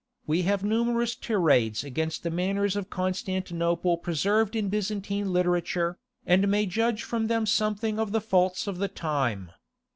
We have numerous tirades against the manners of Constantinople preserved in Byzantine literature, and may judge from them something of the faults of the time.